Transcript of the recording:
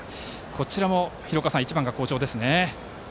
こちらも１番が好調ですね。